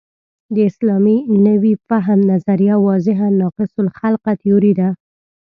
د اسلامي نوي فهم نظریه واضحاً ناقص الخلقه تیوري ده.